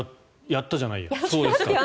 やったじゃないですか。